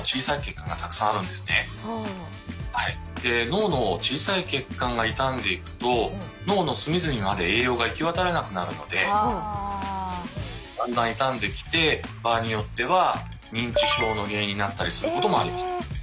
脳の小さい血管が傷んでいくと脳の隅々まで栄養が行き渡らなくなるのでだんだん傷んできて場合によっては認知症の原因になったりすることもあります。